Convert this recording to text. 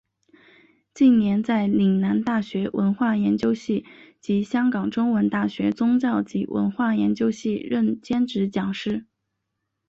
近年在岭南大学文化研究系及香港中文大学宗教及文化研究系任兼职讲师。